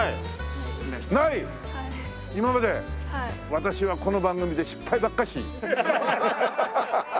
私はこの番組で失敗ばっかし。